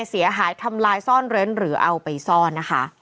เสียหายทำลายซ่อนเร้นหรือเอาไปซ่อนนะคะ